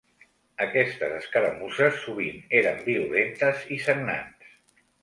Aquestes escaramusses sovint eren violentes i sagnants.